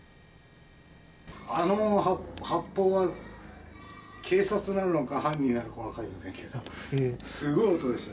あの発砲は、警察なのか犯人なのか分かりませんけど、すごい音でしたよ。